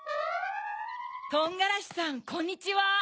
トンガラシさんこんにちは。